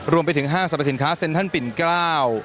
กระทั่งห้างสรรพสินค้าเซ็นทรัลปิ่นเกล้า